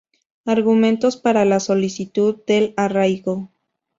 Argumentos para la solicitud del arraigo.